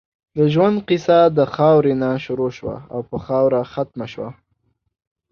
د ژؤند قیصه د خاؤرې نه شروع شوه او پۀ خاؤره ختمه شوه